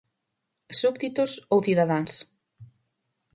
Súbditos ou cidadáns?